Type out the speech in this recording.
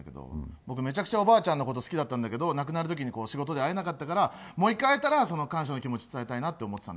僕めちゃくちゃおばあちゃんのこと好きだったんだけど亡くなるときに仕事で会えなかったからもう１回会えたら感謝の気持ち伝えたいなって。